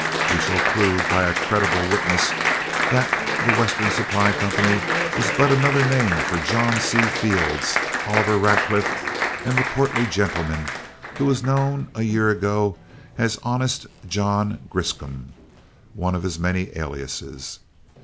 We shall prove by a credible witness that The Western Supply Company is but another name for John C. Fields, Oliver Radcliff, and the portly gentleman who was known a year ago as 'Honest' John Griscom, one of his many aliases.